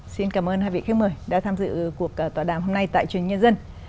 xin cảm ơn hai vị khách mời đã tham dự cuộc tòa đàm hôm nay tại trường nhân dân